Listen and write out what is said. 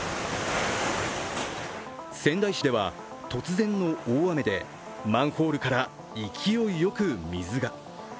仙台市では、突然の大雨でマンホールから勢いよく水が。